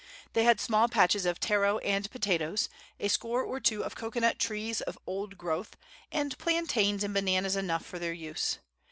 They had small patches of taro and potatoes, a score or two of cocoanut trees of old growth, and plantains and bananas enough for their use.